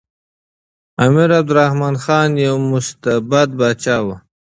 امیر عبدالرحمن خان یو مستبد پاچا و.